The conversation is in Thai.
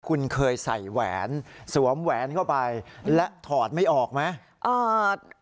คุณเคยใส่แหวนสวมแหวนเข้าไปและถอดไม่ออกไหม